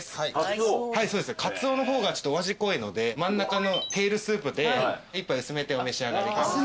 はいそうですねかつおの方がお味濃いので真ん中のテールスープで一杯薄めてお召し上がりください。